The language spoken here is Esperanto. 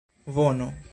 bono